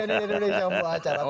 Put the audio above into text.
si andi nenek yang membawa acara